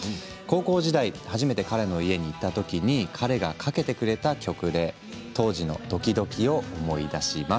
高校時代初めて彼の家に行った時彼がかけてくれた曲当時のドキドキを思い出します。